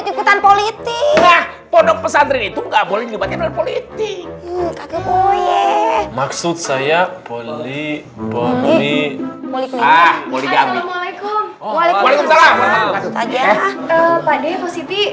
dengan politik ah bodoh pesantren itu nggak boleh dibatkan oleh politik maksud saya poli poli